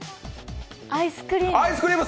アイスクリーム？